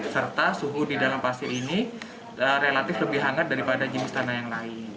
serta suhu di dalam pasir ini relatif lebih hangat daripada jenis tanah yang lain